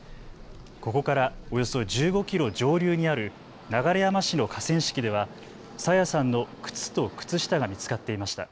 ここからおよそ１５キロ上流にある流山市の河川敷では朝芽さんの靴と靴下が見つかっていました。